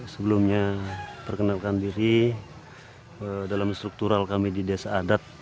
sebelumnya perkenalkan diri dalam struktural kami di desa adat